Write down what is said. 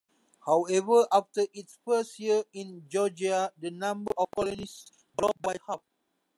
However, after its first year in Georgia, the number of colonists dropped by half.